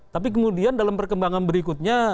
tapi kemudian dalam perkembangan berikutnya